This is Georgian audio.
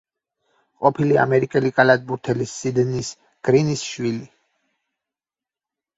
ყოფილი ამერიკელი კალათბურთელის სიდნის გრინის შვილი.